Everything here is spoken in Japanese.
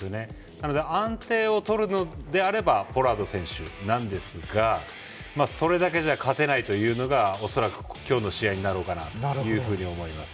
なので、安定を取るのであればポラード選手なんですがそれだけじゃ勝てないというのがおそらく今日の試合になると思います。